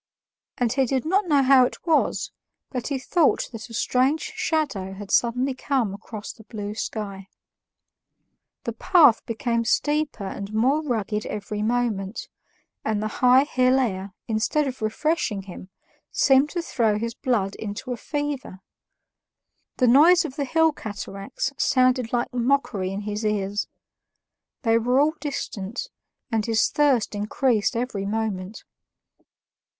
And he did not know how it was, but he thought that a strange shadow had suddenly come across the blue sky. The path became steeper and more rugged every moment, and the high hill air, instead of refreshing him, seemed to throw his blood into a fever. The noise of the hill cataracts sounded like mockery in his ears; they were all distant, and his thirst increased every moment.